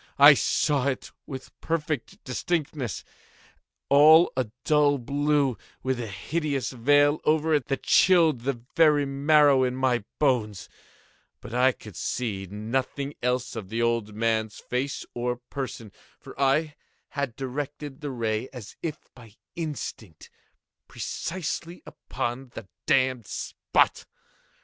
I saw it with perfect distinctness—all a dull blue, with a hideous veil over it that chilled the very marrow in my bones; but I could see nothing else of the old man's face or person: for I had directed the ray as if by instinct, precisely upon the damned spot.